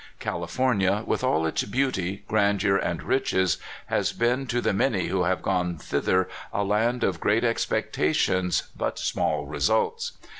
California, with all its beauty, grandeur, and riches, has been to the man}^ who have gone thither a land of great expectations, but small results.